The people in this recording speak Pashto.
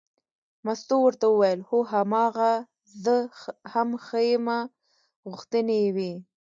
مستو ورته وویل هو هماغه زه هم ښیمه غوښتنې یې وې.